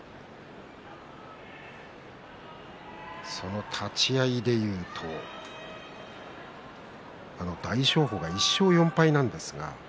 その立ち合いでいうと大翔鵬が１勝４敗なんです。